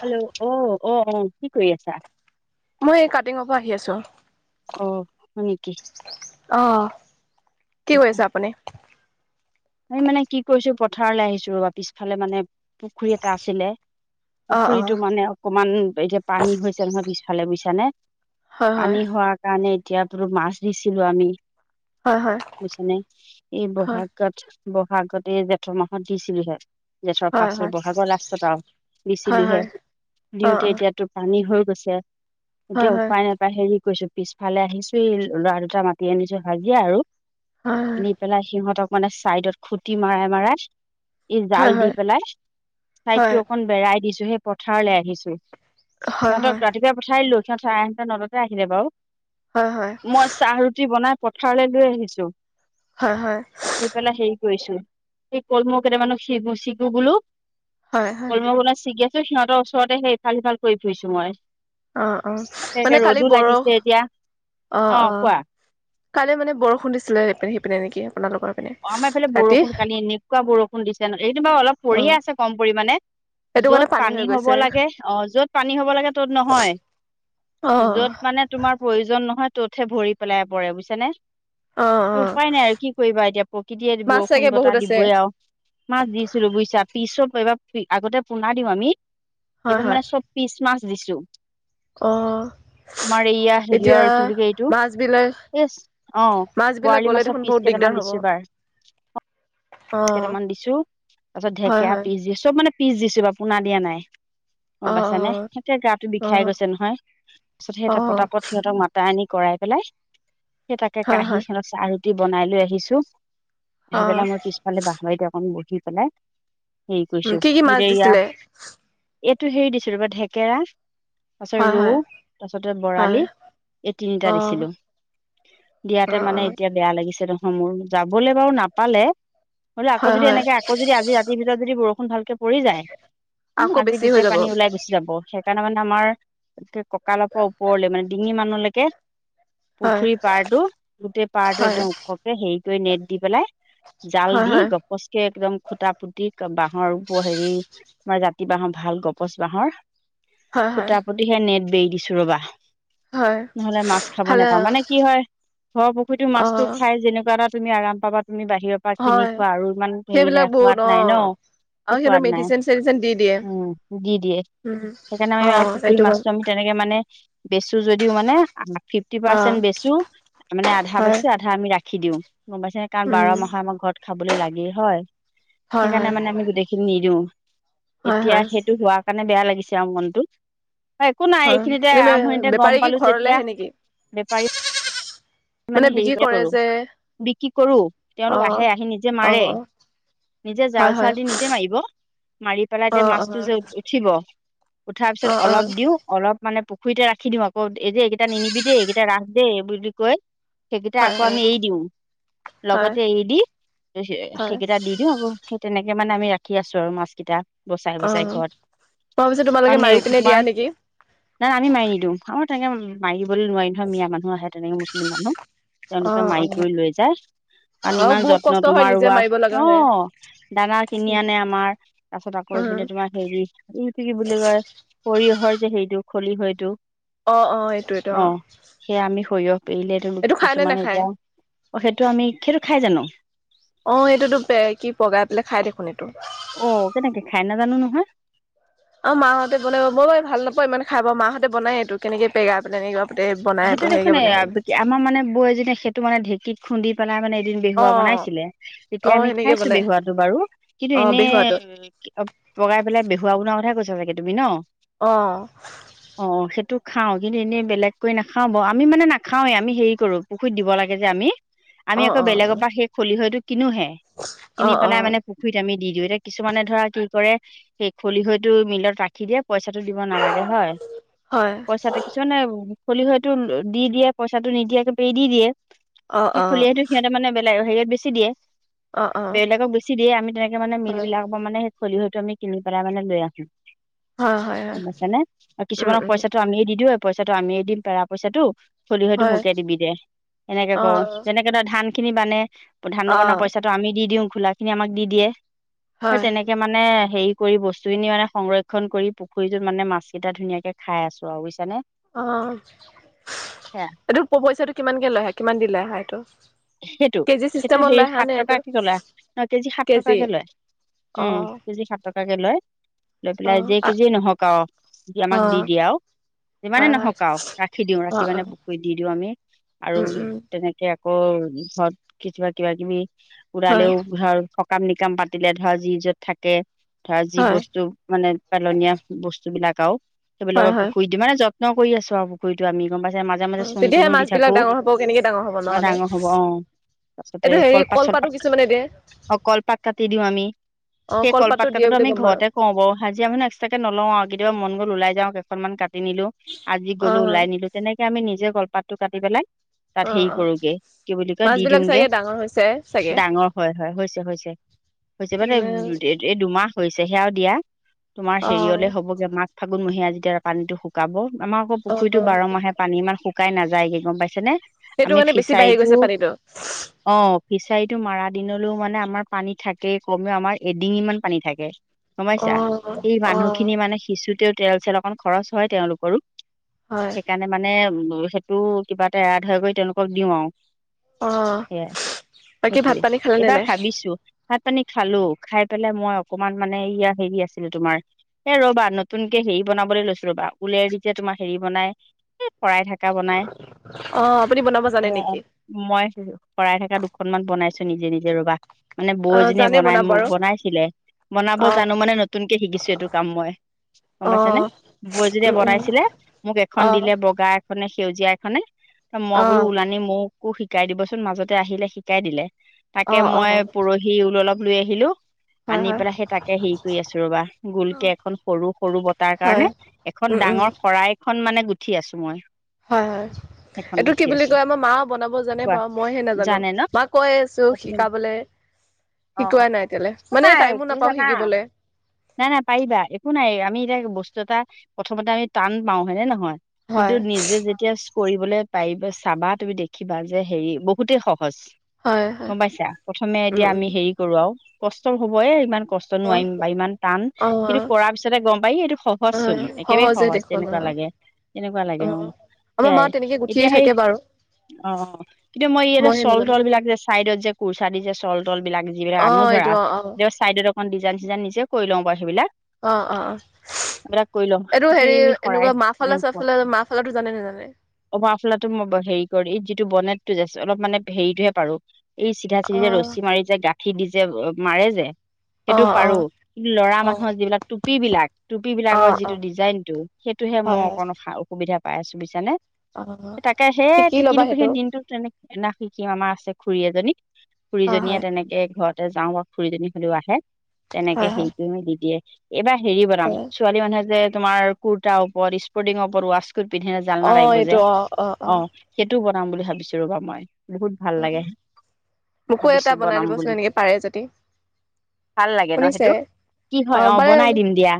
Hello অ', অ', অ কি কৰি আছা? মই এই কাটিঙৰ পৰা আহি আছো। অ' হয় নেকি। অ' কি কৰি আছে আপুনি। আমি মানে কি কৰিছো, পথাৰলৈ আহিছো ৰবা পিছফালে মানে পুখুৰী এটা আছিলে। অ', অ', পুখুৰীতটো মানে অকমান এতিয়া পানী হৈছে নহয় পিছফালে বুছি নে হয়, হয়, পানী হোৱাৰ কাৰণে এতিয়া বোলো মাছ দিছিলো আমি। হয়, হয়, বুজিচনে এই হয়, ব'হাগত, ব'হাগতে জেঠৰ মাহত দিচুলেহে। জেঠৰ হয়, ফাষ্টত হয়, বহাগৰ লাষ্টত আৰু দিছিলো হয়, হে হয়, অ', দিওঁতে অ', এতিয়াতো পানী হল। গৈছে। হয়, এতিয়া হয়, উপায় নাপায় হেৰি কৰিছো। পিছফালে আহিছিল, ল'ৰা দুটা মাতি আনিছো হাজিৰা আৰু হয়, আনি পেলাই সিহঁতক, মানে চাইডত খুটি মাৰাই-মাৰাই, ই হয়, হয়, হয়, জাল দি হয়, পেলাই হয়, চাইডতটো অকন বেৰাই দিছো, সেই পথাৰলৈ আহিছোঁ। হয়, হয়, সিহঁতক ৰাতিপুৱাই পঠাই দিলো, সিহঁতে সাৰে আঠটা-নটাতে আহিলে বাৰু। মই চাহ-ৰুটি বনাই পথাৰলৈ লৈ আহিছো। হয়, হয়, আহি পেলাই হেৰি কৰিছো, সেই কলমৌ কেইটামানো ছি ছিগো বোলো। হয়, হয়, কলমৌ ছিগি আছো, সিহঁতৰ ওচৰতে সেই ইফাল- সিফাল কৰি ফুৰিছো মই। অ-অ তাকে মানে কালি ৰ'দো বৰ লাগিছে এতিয়া অ অ-অ, কোৱা কালি মানে বৰষুণ দিছিলে এপিনে সিপিনে নেকি? আপোনালোকৰ পিনে অ' আমাৰ এইফালে ৰাতি বৰষুণ কালি, এনেকুৱা বৰষুণ দিছে ন এইটো বাৰু অলপ অ', পৰিয়ে আছে কম পৰিমাণে। সেইটো কাৰণে য'ত হৈ পানী হ'ব গৈছে লাগে, অ' য'ত পানী হ'ব লাগে ত'ত নহয়। অ', য'ত মানে তোমাৰ প্ৰয়োজন নহয়, ততহে ভৰি পেলাই পৰে বুজিছানে? অ', অ', উপায় নাই আৰু কি কৰিবা এতিয়া? প্ৰকৃতিয়ে দিব মাছ চাগে বহুত বৰষুণ-বতাহ আছে দিবই আৰু মাছ দিছিলো বুজিছা। পিছৰ এইবাৰ আগতে পোনা দিওঁ আমি হয়, এইবাৰ হয়, মানে চব পিচ মাছ দিছো। অ তোমাৰ এইয়া এতিয়া হেৰিয়ৰ কি বুলি ক মাছবিলাক এইটো, অ' মাছ বিলাক বৰালি গ'লে মাছৰ দেখোন বহুত পিচ কেইটা দিগদাৰ মান হ'ব দিছো বাৰ অ কেইটামান দিছো তাৰপাছত হয় ঢেকীয়া হয় পিচ দিছো চব মানে পিছ দিছো বাৰু পোনা দিয়া নাই। অ গম পাইছানে? সেই গা অ বিষাই গৈছে নহয়, পাছত অ অ সেইটোৱে পতাপত সিহঁতক মতাই আনি কৰাই পেলাই সেই তাকে হয় হয় কাহি খনত চাহ-ৰুটি বনাই লৈ আহিছো। অ', বাহৰিত অকণ বহি পেলাই হেৰি কৰিছো কি কি মাছ সেইয়া দিছিলে এইটো হেৰি দিছো ৰ'বা থেকেৰা তাৰপাছত হয় ৰৌ, হয় তাৰপাছতে হয় বৰালি এই তিনিটা অ দিছিলোঁ। অ দিয়াতে অ মানে, এতিয়া বেয়া লাগিছে নহয় মোৰ, যাবলৈ বাৰু নাপালে। বোলে আকৌ হয় যদি হয় এনেকে, আকৌ যদি আজি ৰাতিৰ ভিতৰত যদি বৰষুণ ভালকে পৰি যায়। উম, আকৌ আজি বেছি হৈ গোটেই যাব পানী ওলাই গুচি যাব। সেইকাৰণে মানে আমাৰ কঁকালৰ পৰা ওপৰলে মানে ডিঙি মানলৈকে হয় পুখুৰী পাৰটো, গোটেই পাৰটো হয় একদম ওপৰকে হেৰি কৰি নেট দি পেলাই জাল হয় দি, হয় গপচকে একদম খুটা পুতি বাঁহৰ হেৰি তোমাৰ জাতি বাঁহৰ ভাল গপচ বাঁহৰ হয় হয় সূতা পুতি হে নেট বেৰি দিছো ৰবা। হয় নহ'লে মাছ খাব ভালে নেপাওঁ। মানে কি হয়? ঘৰৰ পুখুৰীটোৰ অ মাছটো খাই যেনেকুৱা এটা। তুমি আৰাম পাবা, তুমি বাহিৰৰ পৰা কিনি হয় খোৱা আৰু ইমান হেৰি নাই সেইবিলাক বহুত সোৱাদ অ নাই ন। একো আৰু সিহঁতৰ সোৱাদ নাই। মেডিচিন চেডিচিন দি দিয়ে উম, দি দিয়ে। উম সেইকাৰণে আমি অ আৰু পুখুৰী এইটো হয়। মাছটো আমি তেনেকে মানে বেচো যদিও মানে ফিফটি অ পাৰ্চেন্ট বেচো মানে আধা হয় বেচো আধা আমি ৰাখি খি দিওঁ, গম পাইছে ন কাৰণ বাৰ উম মাহে আমাক ঘৰত খাবলে লাগেই হয়। হয় সেইকাৰণে হয় মানে আমি গোটেইখিনি নিদিওঁ, হয় এতিয়া হয় সেইটো হোৱা কাৰণে, মানে বেয়া লাগিছে আৰু মনটো। একো নাই, হয়, এইখিনিতে এনে আৰম্ভণিতে গম বেপাৰী কি পালোঁ ঘৰলে যেতিয়া আহে নেকি? বেপাৰী। মানে বিক্ৰী হেৰিকে কৰে কৰোঁ যে বিক্ৰী কৰোঁ। তেওঁলোক অ', আহে, আহি নিজে মাৰে। অ', নিজে হয়, হয়, জাল-চাল দি নিজে মাৰিব। মাৰি পেলাই এতিয়া অ', অ', অ', অ', মাছটো যে উঠিব। উঠাৰ পিছত হয়, অলপ দিওঁ অলপ মানে পুখুৰীতে ৰাখি দিওঁ আকৌ এই যে এইকেইটা নিনিবি দেই এইকেইটা ৰাস দেই এই বুলি কৈ, সেইকিটা আকৌ হয়, আমি এৰি দিওঁ হয়, লগতে এৰি দি হয়, সেইকেইটা দি দিও আকৌ সেই তেনেকে মানে আমি ৰাখি আছো আৰু মাছ কেইটা। বচাই অ', বচাই মই ঘৰত ভাবিছো তোমালোকে কাৰণ মাৰি এইবোৰ পিনে দিয়া তোমাৰ নেকি? নাই আমি মাৰি নিদিওঁ আমাৰ তেনেকে মাৰিবলৈ নোৱাৰি নহয় মিঞা মানুহ আহে তেনেকে মুছলিম মানুহ। তেওঁলোকে অ', মাৰি অ', কৰি লৈ যায় কাৰণ অ', ইমান বহুত যত্ন কষ্ট হয় তোমাৰ নিজে হোৱা মাৰিব লগা অ হয়, দানা কিনি আনে আমাৰ তাৰপিছত আকৌ উম, এইপিনে তোমাৰ হেৰি এইটো কি বুলি কয় সৰিয়হৰ যে হেৰিটো খলিহৈটো। অ অ এইটোয়েটো অ। সেয়া আমি সৰিয়হ পেৰিলে এইটো খাই নে কিছুমানে নাখায়? এতিয়া অ সেইটো আমি সেইটো খাই জানো? অ এইটোতো পে কি পগাই পেলাই খাই দেখোন এইটো। অ কেনেকে খায় নাজানো নহয়? আমা মাহঁতে বনাই বাৰু মই বাৰু ভাল নাপাও ইমান খাই বাও মাহঁতে বনাই এইটো কেনেকে পেগা পেলাইনি সেইটো দেখোন নে আমাৰ মানে বৌ এজনীয়ে সেইটো মানে ঢেঁকীত খুন্দি পেলাই মানে দিন বেহুৱা বনাইছিলে তেতিয়া অ', আমি সেনেকে খাইছো বনাই বেহুৱাটো বাৰু কিন্তু অ', এনে বেহুৱাটো। পগাই পেলাই বেহুৱা বনোৱা কথাই কৈছা চাগে তুমি ন? অ। অ সেইটো খাওঁ কিন্তু এনেই বেলেগকৈ নাখাও বাও আমি মানে নাখাওৱে আমি হেৰি কৰো পুখুৰীত দিব লাগে যে আমি। আমি অ', আকৌ বেলেগৰ অ', পৰা সেই খলিহৈটো কিনোহে কিনি অ', পেলাই অ', মানে পুখুৰীত আমি দি দিওঁ এতিয়া কিছুমানে ধৰা কি কৰে? সেই খলিহৈতো মিলত ৰাখি দিয়ে পইচাটো দিব নালাগে হয় হয়, পইচাটো কিছুমানে খলিহৈটো দি দিয়ে পইচাটো নিদিয়াকে পেৰি দি দিয়ে। অ', সেই অ', খলিহৈটো সিহঁতে মানে বেলেগ হেৰিয়ত বেচি দিয়ে। অ', অ', বেলেগক বেছি দিয়ে আমি তেনেকে মানে মিল হয়, বিলাকৰ পৰা মানে খলিহৈটো আমি কিনি পেলাই মানে লৈ আহো। হয়, হয়, গম হয় পাইছানে আৰু উম, কিছুমানক উম, পইচাটো আমিয়ে দি দিওঁ পইচাটো আমিয়ে দিম পেৰা পইচাটো খলিহৈটো হয়, মোকে দিবি দে এনেকে কৰো অ', যেনেকে ধৰা ধান খিনি বানে। ধান নবনা অ', পইচাটো আমি দি দিওঁ খোলা খিনি আমাক দি দিয়ে সেই হয়। তেনেকে মানে হেৰি পুখুৰীৰ বস্তুখিনি মানে সংৰক্ষণ কৰি পুখুৰীটোত মানে মাছ কেইটা ধুনীয়াকে খাই আছো আৰু বুইছানে। অ। এইটো পইচাটো কিমানকে লয় আহা কিমান দিলে আহা এইটো? সেইটো কেজি সেইটো চিষ্টেমত লৈ হেৰি আহা সাত নে এইটো? টকাকে ললে ন কেজি সাত টকাকে লয়। উম অ', কেজি সাত টকাকে লয়। লৈ পেলাই অ', যেই অ', কেজিয়ে নহওক আও সি আমাক দি দিয়ে আও। যিমানে হয়, হয়, নহওক আও ৰাখি দিওঁ ৰাখি অ', মানে অ', পুখুৰীত দি দিওঁ আমি আৰু উম, উম, তেনেকে ক ঘৰত কেতিয়াবা কিবা কিবি হয়, পুৰালেও ধৰক সকাম নিকাম পাতিলে ধৰা যি য'ত থাকে ধৰা যি হয়, বস্তু মানে পেলনীয়া বস্তু বিলাক আও হয়, সেইবিলাকক হয়, পুখুৰী দি মানে যত্ন কৰি আছো আৰু পুখুৰীটো আমি গম পাইছে, মাজে মাজে তেতিয়াহে চূণ-তুণো দি মাছবিলাক থাকো। ডাঙৰ হ'ব, কেনেকে ডাঙৰ হ'ব অ নহ'লে। ডাঙৰ হ'ব অ তাৰপিছতে এইটো হেৰি কলপাত কলপাতো চলপাত কিছুমানে দিয়ে, অ কলপাত কাটি দিও আমি। অ', সেই কলপাতো কলপাত দিয়ে কটাতো বুলি আমি গম পালোঁ, ঘৰতে কওঁ বাৰু হাজিৰা মানে এক্সট্ৰাকে নলওঁ আৰু কেতিয়াবা মন গ'ল ওলাই যাওঁ। অকনমান কাটি নিলো আজি গলো অ', ওলাই নিলো তেনেকে আমি নিজে কলপাতটো কাটি পেলাই তাত অ', হেৰি অ'। কৰোগে কি বুলি কয় মাছ দি বিলাক দিওঁগে চাগে ডাঙৰ হৈছে চাগে ডাঙৰ হয় হয় হৈছে হৈছে। হৈছে মানে উম এই দুমাহ হৈছেহে আও দিয়া তোমাৰ অ হেৰিয়লে হ'বগে মাঘ, ফাগুনমহীয়া যেতিয়া পানীটো শুকাব। আমাৰ আকৌ অ পুখুৰীটো অ বাৰ মাহে পানী ইমান শুকাই নাযায়গে গম পাইছে নে। সেইটো আমি মানে বেছি বাঢ়ি ফিচাৰীটো গৈছে পানীটো। অ ফিচাৰীটো মাৰা দিনলৈও মানে আমাৰ পানী থাকে কমেও আমাৰ এডিঙিমান পানী থাকে। অ গমপাইছা এই অ মানুহ খিনি মানে শিচো ত তেল-চেল অকমান খৰচ হয় তেওঁলোকৰো হয় সেইকাৰণে মানে সেইটো কিবা এটা এৰা-ধৰা কৰি তেওঁলোকক দিওঁ আও। অ সেয়াই, বাকী ভাত সেইটোৱে, পানী খালে নে এইবাৰ নাই ভাবিছো তাত পানী খালো, খাই পেলাই মই অকনমান মানে ইয়া হেৰি আছিল তোমাৰ এ ৰবা নতুনকে হেৰি বনাবলৈ লৈছো ৰবা উলেৰে যেতিয়া তোমাৰ হেৰি বনাই, শৰাই থকা বনাই, অ আপুনি বনাব জানে ম ও নেকি মই শৰাই থকা দুখনমান বনাইছো নিজে নিজে ৰবা মানে অ বৌজনীয়ে জানে বনাই ম বনাব ও আৰু বনাইছিলে। বনাব অ জানো মানে নতুনকে শিকিছো এইটো কাম মই। গম অ পাইছা নে বৌ এজনীয়ে উম উম বনাইছিলে মোক এখন অ দিলে বগা এখনে সেউজীয়া এখনে মই অ বোলো ওলানি মোকো শিকাই দিবচোন মাজতে আহিলে শিকাই দিলে। অ তাকে অ মই পৰহি ঊল অলপ লৈ আহিলোঁ। হয় আনি হয় পেলাই সেই তাকে হেৰি কৰি আছো ৰবা গোলকে এখন সৰু-সৰু বতাহৰ হয় কাৰণে এখন উম উম ডাঙৰ শৰাই খন মানে গুঠি আছো মই হয় হয় সেইখন এইটো কি গুঠি বুলি আছো কয় আমাৰ মাও বনা ব জানে কোৱা বাও মইহে নাজানো জানে ন মাক কৈয়ে আছো অ তুমি শিকাবলে অ অ শিকোৱাই নাই এতিয়ালে একো মানে নাই টাইমো কি নাপাওঁ জানা শিকিবলে। নাই নাই পাৰিবা একো নাই আমি এতিয়া বস্তু এটা প্ৰথমতে আমি টান পাওঁ হয় নে নহয় কিন্তু হয় নিজে যেতিয়া কৰিবলে পাৰিবা চাবা তুমি দেখিবা যে হেৰি বহুতেই সহ হৈছ হয় হয় গম পাইছা প্ৰথমে উম এতিয়া আমি উম হেৰি কৰোৱাও কষ্ট হবই ইমান। কষ্ট অ নোৱাৰিম বা ইমান টান অ কিন্তু কৰাৰ পিছতে গম পায় এইটো সহজ অ চোন একেবাৰেই সহজে সহজ দেখোন অ তেনেকুৱা লাগে। তেনেকুৱা লাগে অ' আমাৰ মা সেইয়াই তেনেকে গুঠিয়ে এতিয়া সেই থাকে বাৰু অ কিন্তু মই ইয়াতে মইহে চল নাজানো তল বিলাক যে চাইডত যে কুৰ্চা দিছে চল তল বিলাক যিবিলাক অ আনো ধৰা এইটো অ অ দিয় চাইডত অকণ ডিজাইন চিজাইন নিজেও কৰি লওঁ বা সেই বিলাক অ-অ-অ, লওঁ এইটো কিন্তু হেৰি এই শৰাই এনেকুৱা মাফালা-চাফালাৰ মাফালাৰটো জানে নে নাজানে? অ মাফলাটো মই হেৰি কৰি যিটো বনেতটো যে অলপ মানে হেৰিটোহে পাৰো এই চিধা চিধি অ যে ৰছী মাৰি যে গাঠি দিছ যে মাৰে যে অ সেইটো অ পাৰো, কিন্তু লৰা অ মানুহৰ যিবিলাক টুপী বিলাক টুপী অ বিলাকৰ অ যিটো ডিজাইন টো। সেইটোহে মই হয় হয় অকণ সুবিধা পাই আছো বুইছানে? অ', সেই কিনো সেই দিনটো তেনে না কিবা মাছ আছে খুড়ী এজনী হয় খুড়ীজনীয়ে হয় তেনেকে ঘৰত। যাওঁ বা খুড়ীজনী হ'লেও আহে তেনেকে হয় হয় সেইটো দি দিয়ে। এইবাৰ হেৰি বনাম হয় ছোৱালী মানুহে যে তোমাৰ কুৰ্তা ওপৰত স্পৰ্টিংৰ ওপৰত ৱাচ। স্কাৰ্ট পিন্ধিলে অ জালনাৰ লাগিব যে এইটো অ অ' সেইটোও বনাম বুলি ভাবিছো ৰবা মই। বহুত ভাল অ লাগে মোকো এটা ভাবিছোঁ বনাই বনাম দিবচোন বুলি। এনেকে পাৰে যদি ভাল লাগে ন শুনিছে সেইটো কি হয় অ' বনাই দিম দিয়া,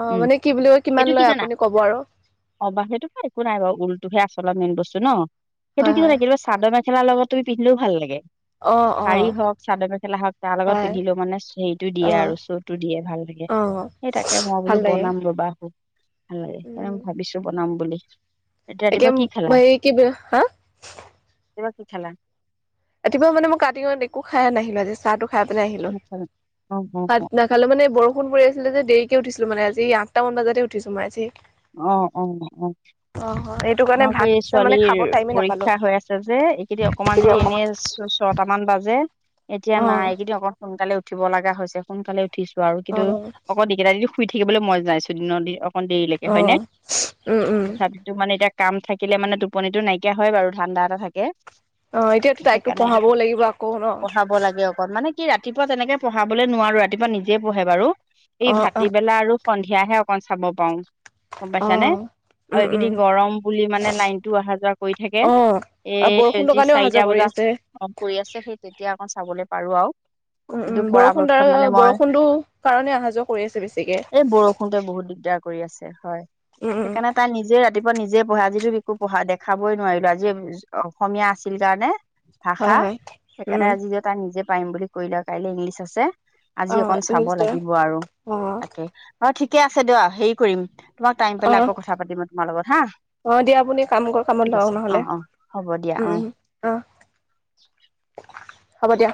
অ' উম মানে কি বুলি কয় সেইটো কিমান কি লয় জানা আপুনি কব আৰু। অ' বাহ সেইটো একো নাই বাওঁ ঊলটোহে আচলৰ মেইন বস্তু ন সেইটো হয় হয় এখিলা কিলা চাদৰ মেঘেলাৰ লগত তুমি পিন্ধিলেও ভাল লাগে। অ', শাৰী অ', হওক চাদৰ মেখেলা হওক তাৰ লগত হয়, পিন্ধিলেও মানে চুইটো দিয়ে অ', আৰু চোৰটো দিয়ে ভাল লাগে। অ', সেই তাকে মই ভাল বোলো লাগে বনাম ৰবা আকৌ। ভাল লাগে উম, সেইকাৰণেই ভাবিছো বনাম বুলি, ৰাতিপুৱা কি খালা? কিবা হা কিবা কি খালা? ৰাতিপুৱা মানে মই কাটি হয় দেখোঁ। খাই নাহিলো আজি চাহ টো খাই পিলাই আহিলো ভাত খালা? অ অ অ ভাত নাখালো মানে বৰষুণ পৰি আছে আছিল যে দেৰিকে উঠিছিলো মানে আজি আঠটা মান বাজাতে উঠিছো মই আজি। আহ উ আহ। অ', হয় এইটো কাৰণে আমাৰ ভাত এই মানে ছোৱালীৰ খাব টাইমে নাপালো পৰীক্ষা হৈ আছে যে এইকেইদিন অকমান যদি এনে ছয়ট মান বাজে, এতিয়া নাই অ', এগিদিন অকনমান সোনকালে উঠিব লাগা হৈছে, সোনকালে উঠিছো আৰু কিন্তু অ', অকণমান কেইটা দিন শুই থাকিবলৈ মই যাইছো দিনৰ দিন অকণমান দেৰি হয়নে অ', উম, উম, তথাপিতো মানে এতিয়া কাম থাকিলে মানে টোপনিটো নাইকিয়া হয় বাৰু ধাণ্ডা এটা থাকে। অ', এতিয়াতো তাইকতো সেইকাৰণে পঢ়াবও লাগিব আকৌ ন পঢ়াব লাগে অকণ, মানে কি ৰাতিপুৱা তেনেকে পঢ়াবলে নোৱাৰো অ', অ', সন্ধিয়াহে অকণ চাব পাৰো, গম পাইছানে। অ', আৰু উম, উম, এইকেইদিন গৰম বুলি মানে লাইনতটো আহা যোৱা কৰি থাকে। অ', আৰু এ' বৰষুণৰ যি কাৰণেও অহা যোৱা চাৰিটা কৰি বজাত আছে। অপ কৰি আছে সেই তেতিয়া আকৌ চাবলৈ পাৰো আৰু। উম কিন্তু উম বৰষুণ পৰাপক্ষত দ্বাৰা মানে মই, বৰষুণটো কাৰণে অহা যোৱা কৰি আছে বেছিকে। এই বৰষুণতে বহুত দিগদাৰ পঢ়ি আছে, হয়, উম উম সেইকাৰণে তাৰ নিজে ৰাতিপুৱা নিজে পঢ়ে আজিটো একু পঢ়া দেখাবই নোৱাৰিলো আজি ভাষা, হয় হয় উম সেইকাৰণে আজি যে তাৰ নিজে পাৰিম বুলি কৰিলে, কাইলে ইংলিছ আছে অ আজি অকন চাব নিশ্চয় লাগিব আৰু অ তাকে, অ' ঠিকে আছে দিয়ক, হেৰি কৰিম তোমাক টাইম অ পালে আকৌ কথা পাতিম তোমাৰ লগত হা অ' দিয়া আপুনি কাম কৰ, কামত ঠিক লক আছে নহলে, অ অ হ'ব দিয়া অ উম-উম, অ'। [unintelligible] হ'ব দিয়া।